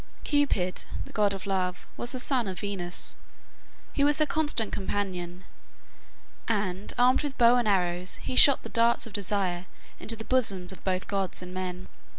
Cupid (Eros), the god of love, was the son of Venus. He was her constant companion; and, armed with bow and arrows, he shot the darts of desire into the bosoms of both gods and men.